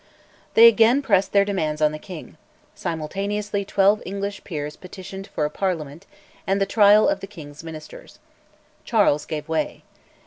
They again pressed their demands on the king; simultaneously twelve English peers petitioned for a parliament and the trial of the king's Ministers. Charles gave way.